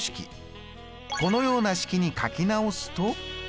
このような式に書き直すと。